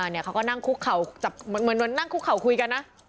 เนี่ยเขาก็นั่งคุกเข่าจับเหมือนนั่งคุกเข่าคุยกันนะ